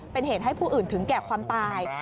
เป็นเหตุให้ผู้อื่นถึงแก่ความตาย